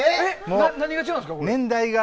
何が違うんですか？